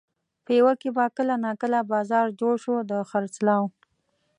پېوه کې به کله ناکله بازار جوړ شو د خرڅلاو.